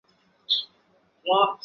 他怎么样？